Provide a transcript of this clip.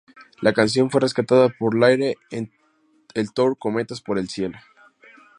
La canción fue rescatada por Leire en el Tour Cometas por el cielo.